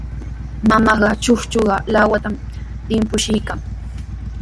Mamaaqa chuchuqa lawatami timpuchiykan.